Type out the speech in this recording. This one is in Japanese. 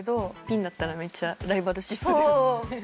ピンだったらめっちゃライバル視するよね。